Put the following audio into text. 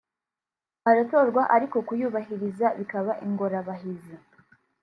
aratorwa ariko kuyubahiruza bikaba ingorabahizi